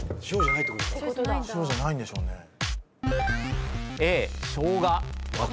塩じゃないんでしょうね。